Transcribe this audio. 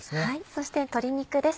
そして鶏肉です。